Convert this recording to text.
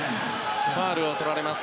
ファウルをとられます。